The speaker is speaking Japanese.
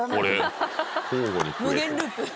無限ループ。